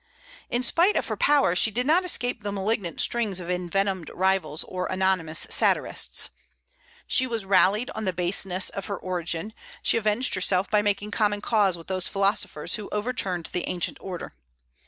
In spite of her power, she did not escape the malignant stings of envenomed rivals or anonymous satirists. "She was rallied on the baseness of her origin; she avenged herself by making common cause with those philosophers who overturned the ancient order."